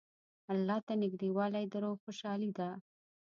الله ته نېږدېوالی د روح خوشحالي ده.